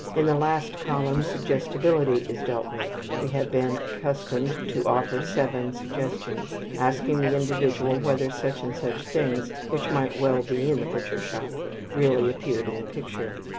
In the last column suggestibility is dealt with. We have been accustomed to offer 7 suggestions, asking the individual whether such and such things which might well be in a butcher shop really appeared in the picture.